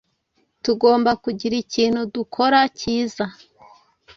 Tugomba kugira ikintu dukora cyiza